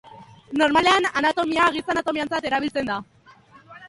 Normalean anatomia, giza-anatomiatzat erabiltzen da.